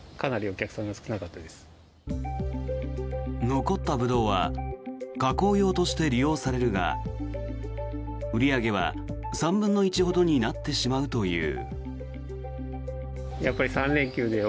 残ったブドウは加工用として利用されるが売り上げは３分の１ほどになってしまうという。